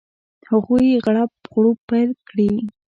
هغوی غړپ غړوپ پیل کړي.